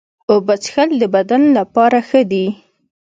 اوبه څښل د بدن لپاره ښه دي.